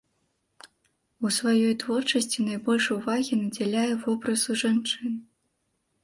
У сваёй творчасці найбольш увагі надзяляе вобразу жанчын.